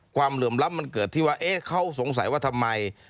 ความเรื่องรับมันเกิดที่ว่าเขาสงสัยว่าทำไม